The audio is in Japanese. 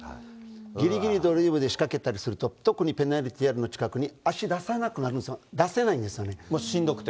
ぎりぎりドリブルで仕掛けたりすると、特にペナルティエリアの近くに足出さなくなります、出せないんでもうしんどくて？